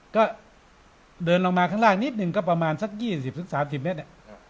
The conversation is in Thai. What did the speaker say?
ก็เดินลงมาข้างล่างนิดหนึ่งก็ประมาณสักยี่สิบสักสามสิบเมตรนะครับ